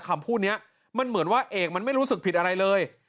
คำพูดนี้มันเหมือนว่าเอกมันไม่รู้สึกผิดอะไรเลย